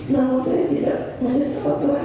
namun saya tidak menyesal telah